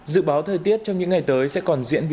dự báo thời tiết trong những ngày tới sẽ còn diễn biến